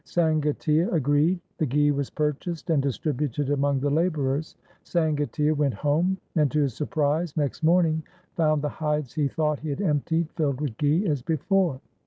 Sangatia agreed ; the ghi was purchased and distributed among the labourers. Sangatia went home, and, to his surprise, next morning found the hides he thought he had emptied filled with ghi as before.